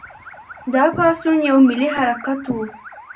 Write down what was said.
دا پاڅون یو ملي حرکت و.